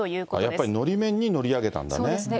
やっぱりのり面に乗り上げたんだね。